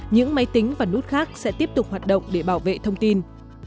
những máy tính và nút khác sẽ tiếp tục hoạt động để bảo vệ thông tin